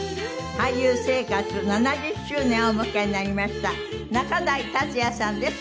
俳優生活７０周年をお迎えになりました仲代達矢さんです。